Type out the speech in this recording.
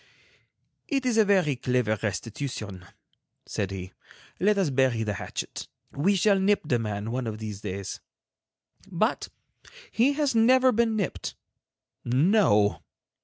"It is a very clever restitution," said he. "Let us bury the hatchet. We shall nip the man one of these days." But he has never been nipped. No.